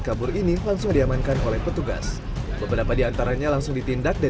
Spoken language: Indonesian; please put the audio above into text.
kabur ini langsung diamankan oleh petugas beberapa diantaranya langsung ditindak dan